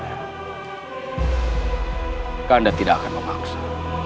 kakanda tidak akan memaksa